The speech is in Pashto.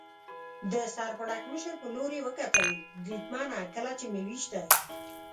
د سر پړکمشر په لور یې وکتل، بریدمنه، کله چې مې وېشتی.